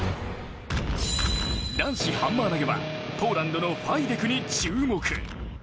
男子ハンマー投は、ポーランドのファイデクに注目。